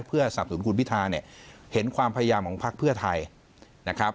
เพื่อสับสนคุณพิธาเนี่ยเห็นความพยายามของพักเพื่อไทยนะครับ